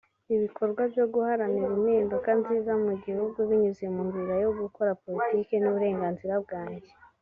Ibikorwa byo guharanira impinduka nziza mu gihugu binyuze mu nzira yo gukora politiki ni uburenganzira bwanjye